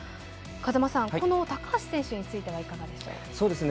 風間さん、高橋選手についてはいかがでしょう。